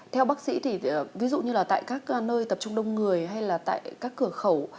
theo bác sĩ thì ví dụ như là tại các nơi tập trung đông người hay là tại các cửa khẩu